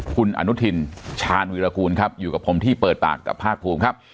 คุณอนุทินชาญวีรกูลครับอยู่กับผมที่เปิดปากกับภาคภูมิครับ